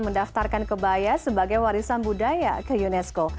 mendaftarkan kebaya sebagai warisan budaya ke unesco